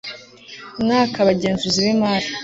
mwaka abagenzuzi b imari